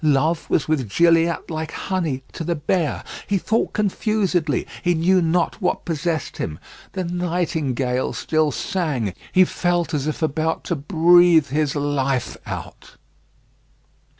Love was with Gilliatt like honey to the bear. He thought confusedly; he knew not what possessed him. The nightingale still sang. He felt as if about to breathe his life out.